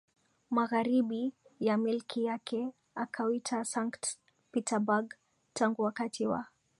magharibi ya milki yake akauita Sankt Peterburg Tangu wakati wa